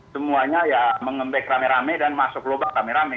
semuanya ya mengembek rame rame dan masuk lobak rame rame